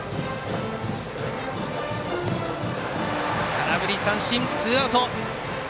空振り三振、ツーアウト！